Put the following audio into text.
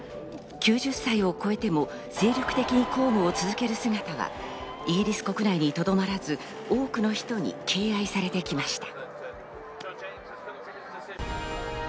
９０歳を超えても精力的に公務を続ける姿は、イギリス国内にとどまらず、多くの人に敬愛されてきました。